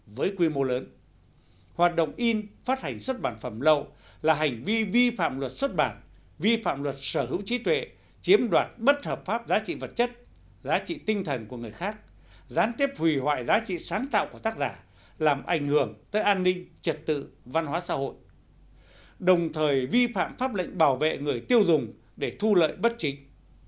với quy mô lớn hoạt động in phát hành xuất bản phẩm lậu là hành vi vi phạm luật xuất bản vi phạm luật sở hữu trí tuệ chiếm đoạt bất hợp pháp giá trị vật chất giá trị tinh thần của người khác gián tiếp hủy hoại giá trị sáng tạo của tác giả làm ảnh hưởng tới an ninh trật tự văn hóa xã hội đồng thời vi phạm pháp lệnh bảo vệ người tiêu dùng để thu lợi bất chính